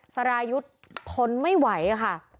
รายุทธ์ทนไม่ไหวค่ะ